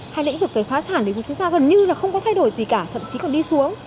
hay lĩnh vực về phá sản thì chúng ta gần như là không có thay đổi gì cả thậm chí còn đi xuống